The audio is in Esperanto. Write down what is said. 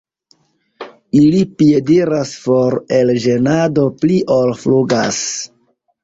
Ili piediras for el ĝenado pli ol flugas.